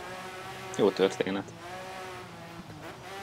Jó történet.